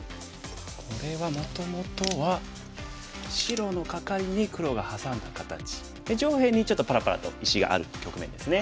これはもともとは白のカカリに黒がハサんだ形。で上辺にちょっとぱらぱらと石がある局面ですね。